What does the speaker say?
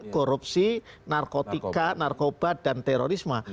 korupsi narkotika narkoba dan terorisme